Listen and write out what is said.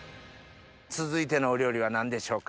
続いてのお料理は何でしょうか？